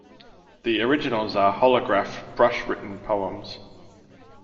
The originals are holograph brush-written poems.